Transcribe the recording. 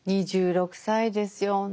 ２６歳ですよ。